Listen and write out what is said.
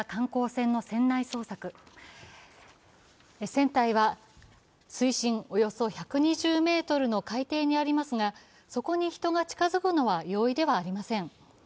船体は水深およそ１２０ｍの海底にありますがそこに人が近づくのは容易ではありません。